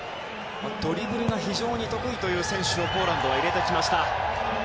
ドリブルが非常に得意という選手をポーランドは入れてきました。